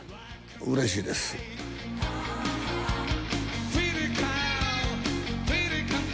うれしいです。